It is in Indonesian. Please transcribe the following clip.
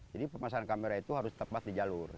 jadi pemasangan kamera itu harus tepat di jalur